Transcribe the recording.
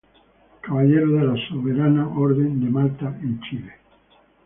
Caballero de la Soberana Orden de Malta en Chile.